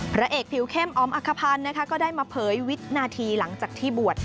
พระเอกผิวเข้มออมอักขพันธ์นะคะก็ได้มาเผยวินาทีหลังจากที่บวช